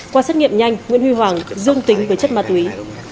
qua xét nghiệm nhanh nguyễn huy hoàng dương tính với chất ma túy